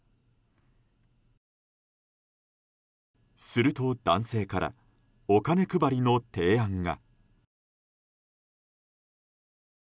すると男性からお金配りの提案が。